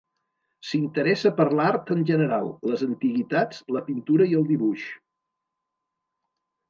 S'interessa per l'art en general, les antiguitats, la pintura i el dibuix.